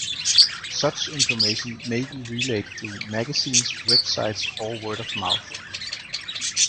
Such information may be relayed through magazines, websites or word of mouth.